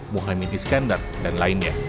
muhammad iskandar dan lainnya